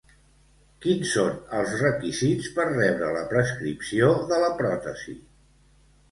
Quins són els requisits per rebre la prescripció de la pròtesi?